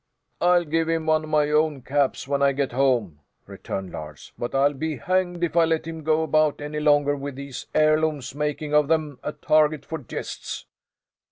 "I'll give him one of my own caps, when I get home," returned Lars. "But I'll be hanged if I let him go about any longer with these heirlooms, making of them a target for jests!"